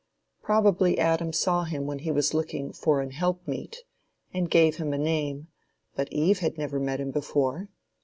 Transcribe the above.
Probably Adam saw him when he was looking for "an helpmeet," and gave him a name, but Eve had never met him before.